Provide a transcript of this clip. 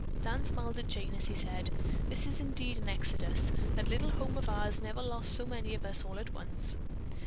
Dan smiled at Jane as he said: "This is indeed an exodus. That little old home of ours never lost so many of us all at once."